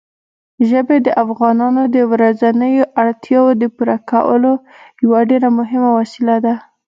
ژبې د افغانانو د ورځنیو اړتیاوو د پوره کولو یوه ډېره مهمه وسیله ده.